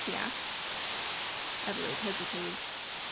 he asked. Adelaide hesitated.